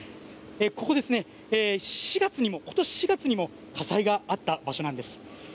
ここは今年４月にも火災があった場所なんです。